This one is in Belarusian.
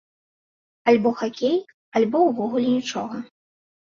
Альбо хакей, альбо ўвогуле нічога.